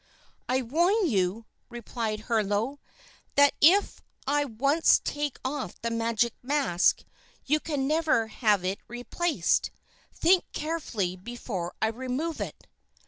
"I warn you," replied Herlo, "that if I once take off the magic mask, you can never have it replaced. Think carefully before I remove it."